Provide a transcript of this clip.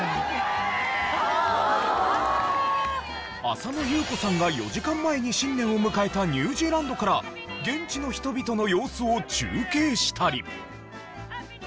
浅野ゆう子さんが４時間前に新年を迎えたニュージーランドから現地の人々の様子を中継したり。